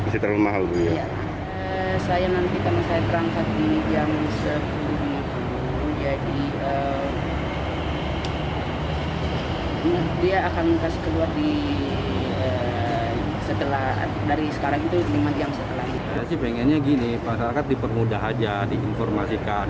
saya sih pengennya gini masalah kan dipermudah saja diinformasikan